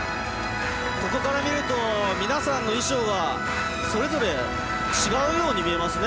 ここから見ると皆さんの衣装がそれぞれ、違うように見えますね。